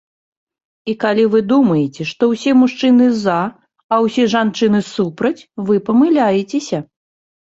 І калі вы думаеце, што ўсе мужчыны за, а ўсе жанчыны супраць, вы памыляецеся!